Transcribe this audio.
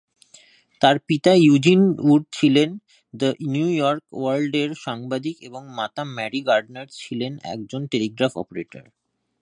তার পিতা Eugene Wood ছিলেন "দ্য নিউ ইয়র্ক ওয়ার্ল্ড"-এর সাংবাদিক এবং মাতা ম্যারি গার্ডনার ছিলেন একজন টেলিগ্রাফ অপারেটর।